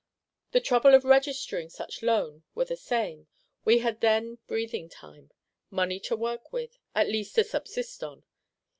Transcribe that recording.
The trouble of registering such Loan were the same: we had then breathing time; money to work with, at least to subsist on.